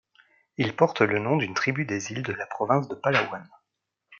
Il porte le nom d'une tribu des îles de la province de Palawan.